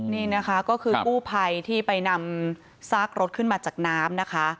นี่นะคะก็คือกู้ภัยที่ไปนำซากรถขึ้นมาจากน้ำนะคะ